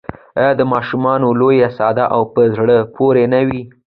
آیا د ماشومانو لوبې ساده او په زړه پورې نه وي؟